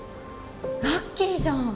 ラッキーじゃん。